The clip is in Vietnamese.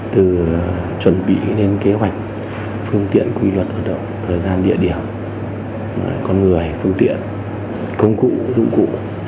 từ chuẩn bị đến kế hoạch phương tiện quy luật thời gian địa điểm con người phương tiện công cụ dụng cụ